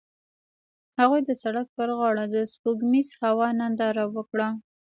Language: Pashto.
هغوی د سړک پر غاړه د سپوږمیز هوا ننداره وکړه.